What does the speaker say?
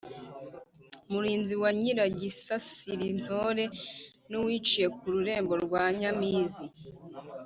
Murinzi wa Nyiragisasirintore n’Uwiciye ku rurembo rwa Nyamizi